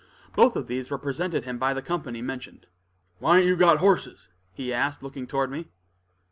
Both of these were presented him by the company mentioned. "Why ain't you got horses?" he asked, looking toward me.